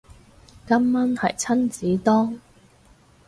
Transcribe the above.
今晚係親子丼